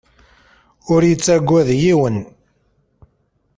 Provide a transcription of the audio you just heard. Ur yettagad yiwen.